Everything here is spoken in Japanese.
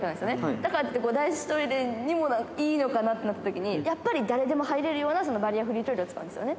だからって男子トイレにもいいのかなってなったときに、やっぱり誰でも入れるようなバリアフリートイレを使うんですよね。